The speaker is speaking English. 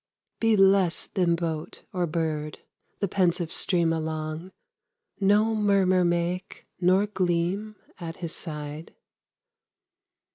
Be less than boat or bird, The pensive stream along; No murmur make, nor gleam, At his side.